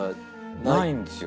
ないんですよ。